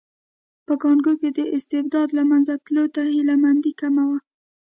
په کانګو کې د استبداد له منځه تلو ته هیله مندي کمه وه.